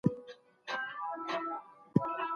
د علم په اړه نوښت کولای سي.